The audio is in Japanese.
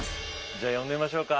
じゃあ呼んでみましょうか。